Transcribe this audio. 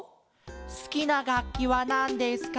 「すきながっきはなんですか？